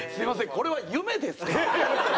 これは夢ですか？